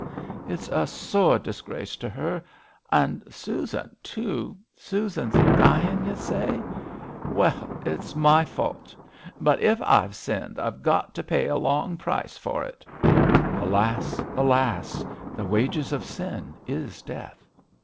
It's a sore disgrace to her. And Susan, too. Susan's dyin', y' say! Well, it's my fault; but if I've sinned I've got to pay a long price for it.' 'Alas! alas! the wages of sin is death.'